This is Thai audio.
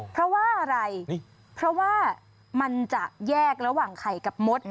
เพราะว่าอะไรเพราะว่ามันจะแยกระหว่างไข่กับมด